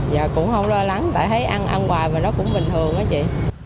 dạ cũng không lo lắng tại thấy ăn ăn hoài và nó cũng bình thường đó chị